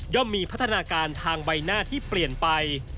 มีพัฒนาการทางใบหน้าที่เปลี่ยนไป